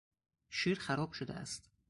شیر خراب شده است.